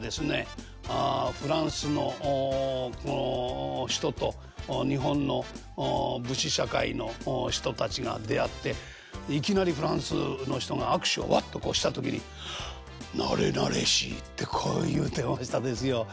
フランスのこの人と日本の武士社会の人たちが出会っていきなりフランスの人が握手をわっとこうした時に「なれなれしい」ってこう言うてましたですよ。